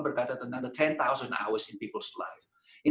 berkata tentang sepuluh jam dalam hidup orang